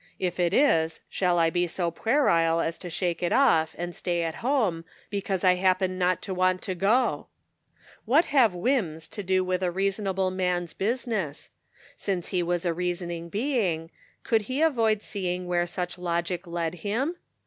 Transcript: If it is, shall I be so puerile as to shake it off, and stay at home, because I happen not to want to go ?" What have whims to do with a reasonable man's business? Since he was a reasoning being, could he avoid see ing where such logic led him?